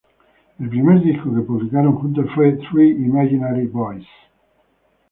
El primer disco que publicaron juntos fue "Three Imaginary Boys".